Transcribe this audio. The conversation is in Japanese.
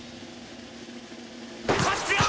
こっちよ！